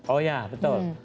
oh ya betul